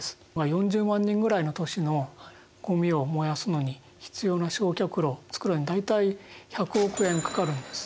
４０万人ぐらいの都市のごみを燃やすのに必要な焼却炉を造るのに大体１００億円かかるんです。